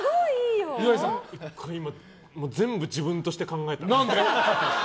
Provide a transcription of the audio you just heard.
今、全部、自分として考えた。